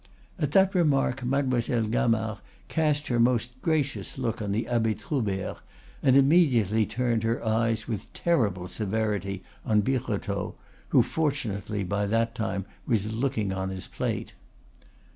At that remark Mademoiselle Gamard cast her most gracious look on the Abbe Troubert, and immediately turned her eyes with terrible severity on Birotteau, who fortunately by that time was looking on his plate.